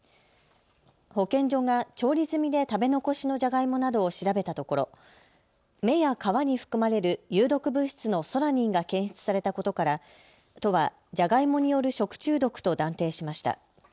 保健所が調理済みで食べ残しのジャガイモなどを調べたところ、芽や皮に含まれる有毒物質のソラニンが検出されたことから都はジャガイモによる食中毒と断定しました。